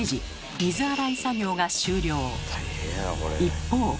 一方。